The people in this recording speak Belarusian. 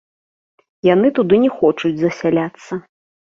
Яны туды не хочуць засяляцца.